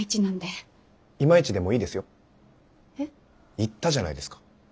言ったじゃないですか。